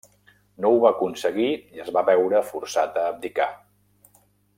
No ho va aconseguir i es va veure forçat a abdicar.